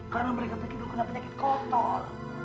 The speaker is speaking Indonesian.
karena mereka pikir lo kena penyakit kotor